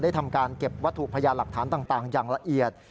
ทำการเก็บวัตถุพยานหลักฐานต่างอย่างละเอียด